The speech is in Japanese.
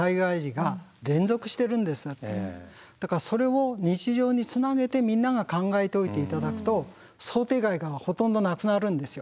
だからそれを日常につなげてみんなが考えといて頂くと想定外がほとんどなくなるんですよ。